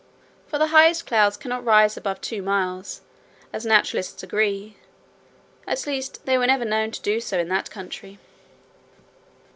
For the highest clouds cannot rise above two miles, as naturalists agree, at least they were never known to do so in that country.